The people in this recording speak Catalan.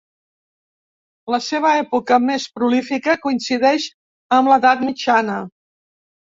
La seva època més prolífica coincideix amb l'Edat Mitjana.